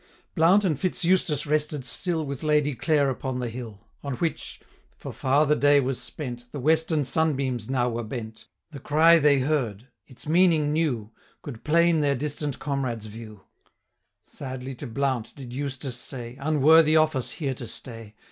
Blount and Fitz Eustace rested still 735 With Lady Clare upon the hill; On which, (for far the day was spent,) The western sunbeams now were bent. The cry they heard, its meaning knew, Could plain their distant comrades view: 740 Sadly to Blount did Eustace say, 'Unworthy office here to stay!